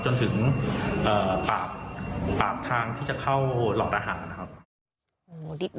จนถึงปากทางที่จะเข้าหลอกอาหารนะครับ